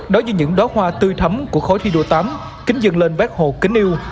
đối với những đóa hoa tươi thấm của khối thi đua tám kính dừng lên vác hồ kính yêu